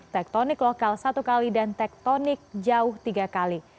tektonik lokal satu kali dan tektonik jauh tiga kali